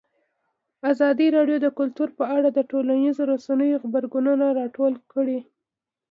ازادي راډیو د کلتور په اړه د ټولنیزو رسنیو غبرګونونه راټول کړي.